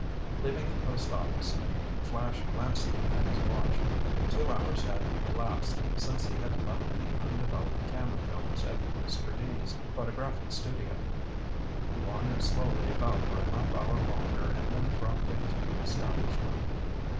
Leaving the post office, Flash glanced at his watch. Two hours had elapsed since he had left the undeveloped camera films at Mr. Dee's photographic studio. He wandered slowly about for a half hour longer and then dropped into the establishment.